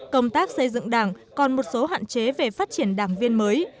công tác xây dựng đảng còn một số hạn chế về phát triển đảng viên mới